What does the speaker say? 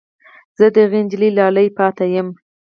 زه د هغې نجلۍ لالی پاتې یم